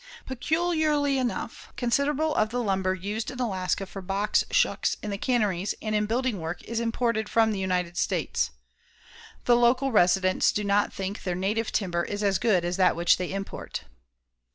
Peculiarly enough, considerable of the lumber used in Alaska for box shooks in the canneries and in building work is imported from the United States. The local residents do not think their native timber is as good as that which they import.